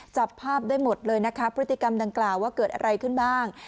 จับภาพได้หมดเลยนะคะพฤติกรรมดังกล่าวว่าเกิดอะไรขึ้นบ้าง